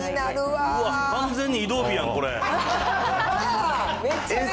完全に移動日やん、これ。